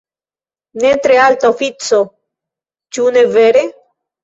Ne tre alta ofico, ĉu ne vere?